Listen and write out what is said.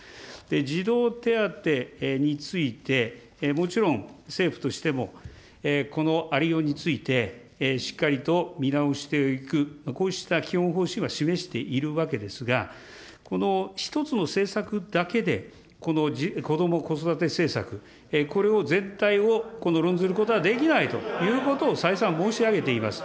児童手当について、もちろん、政府としても、このありようについて、しっかりと見直していく、こうした基本方針は示しているわけですが、この１つの政策だけでこのこども・子育て政策、これを、全体を論ずることはできないということを再三、申し上げています。